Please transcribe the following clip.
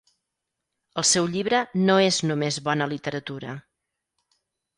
El seu llibre no és només bona literatura.